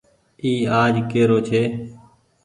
اي آج ڪي رو ڇي۔